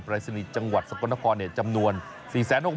ปราศนีย์จังหวัดสกนครเนี่ยจำนวน๔๖๐๐๐๐ชมบับ